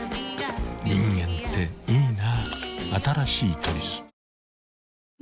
人間っていいナ。